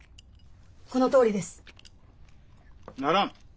このとおりです！ならぬ。